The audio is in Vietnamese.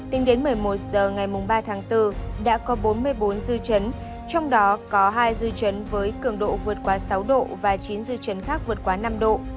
tính đến một mươi một h ngày ba tháng bốn đã có bốn mươi bốn dư chấn trong đó có hai dư chấn với cường độ vượt quá sáu độ và chín dư chấn khác vượt quá năm độ